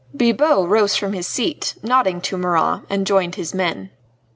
Bibot rose from his seat, nodding to Marat, and joined his men.